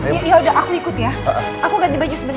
yaudah aku ikut ya aku ganti baju sebentar